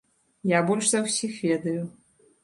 Я больш за ўсіх ведаю.